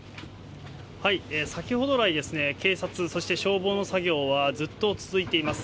先ほどらい、警察、そして消防の作業はずっと続いています。